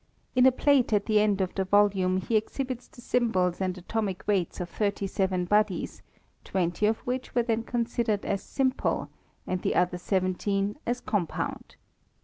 In a ^ateat theead of the volume he exhibits the symbols sod atomic weights of thirty seven bodies, twenty of which were then considered as simple, and the Other seventeen as compound.